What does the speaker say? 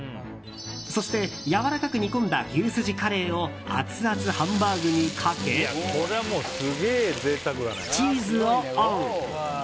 そして、やわらかく煮込んだ牛すじカレーをアツアツハンバーグにかけチーズをオン。